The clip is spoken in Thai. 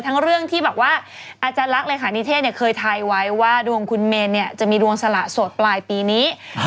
เรื่องที่แบบว่าอาจารย์ลักษ์เลขานิเทศเคยทายไว้ว่าดวงคุณเมนเนี่ยจะมีดวงสละโสดปลายปีนี้